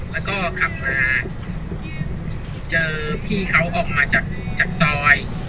แล้วก็ขับมาเจอพี่เขาออกมาจากซอย